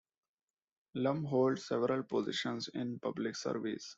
Lum holds several positions in public service.